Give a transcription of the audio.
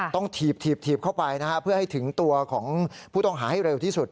ถีบเข้าไปนะฮะเพื่อให้ถึงตัวของผู้ต้องหาให้เร็วที่สุด